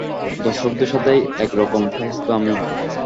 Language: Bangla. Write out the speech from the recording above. দর্শকদের সাথে একরকম ফাজলামি!